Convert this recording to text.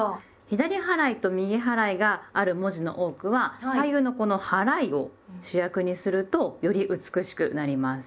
左払いと右払いがある文字の多くは左右のこの「はらい」を主役にするとより美しくなります。